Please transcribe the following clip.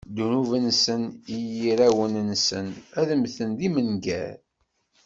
Ddnub-nsen i yirawen-nsen, ad mmten d imengar.